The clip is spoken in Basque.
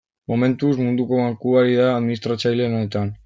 Momentuz, Munduko Bankua ari da administratzaile lanetan.